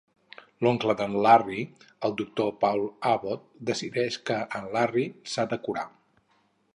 L'oncle d'en Larry, el doctor Paul Abbot, decideix que en Larry s'ha de curar.